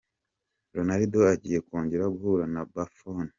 Ronaldo agiye kongera guhura na Buffon.